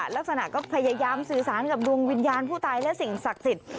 ลักษณะก็พยายามสื่อสารกับดวงวิญญาณผู้ตายและสิ่งศักดิ์สิทธิ์